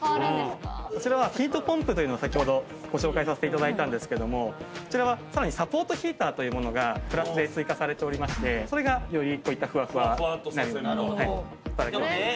こちらはヒートポンプというのを先ほどご紹介させていただいたんですけどもこちらはさらにサポートヒーターというものがプラスで追加されておりましてそれがよりこういったふわふわなるように。